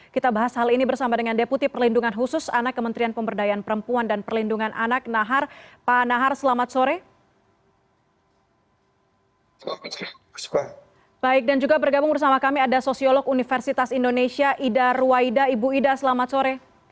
kita bahas hal ini bersama dengan deputi perlindungan khusus anak kementerian pemberdayaan perempuan dan perlindungan anak pak nahar